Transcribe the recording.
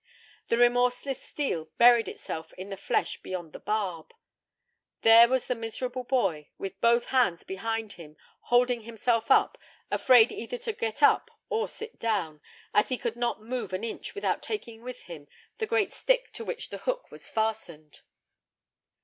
The remorseless steel buried itself in the flesh beyond the barb. There was the miserable boy, with both hands behind him, holding himself up, afraid either to get up or sit down, as he could not move an inch without taking with him the great stick to which the hook was fastened.